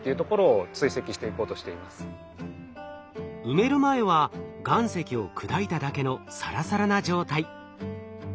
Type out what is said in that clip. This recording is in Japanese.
埋める前は岩石を砕いただけのサラサラな状態。